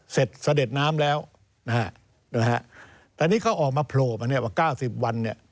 เสร็จเสด็จน้ำแล้วแต่นี่เขาออกมาโผล่ว่า๙๐วัน